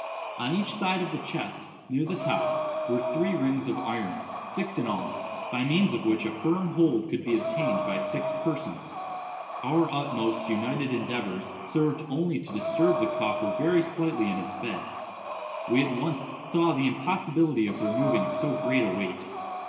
On each side of the chest, near the top, were three rings of iron—six in all—by means of which a firm hold could be obtained by six persons. Our utmost united endeavors served only to disturb the coffer very slightly in its bed. We at once saw the impossibility of removing so great a weight.